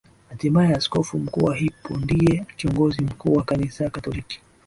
hatimaye askofu mkuu wa HippoNdiye kiongozi mkuu wa Kanisa Katoliki